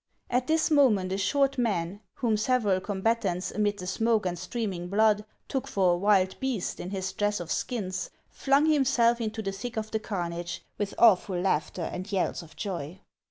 At this moment a short man, whom several combatants, amid the smoke and streaming blood, took for a wild beast, in his dress of skins, flung himself into the thick of the carnage, with awful laughter and yells of joy.